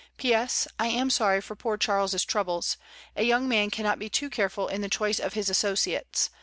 "P.S. — I am sorry for poor Charles's troubles. A young man cannot be too careful in the choice of his associates.